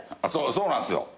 そうなんすよ。